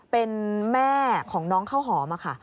เป็นแม่ของน้องข้าวหอมค่ะ